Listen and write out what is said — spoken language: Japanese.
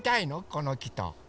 この木と。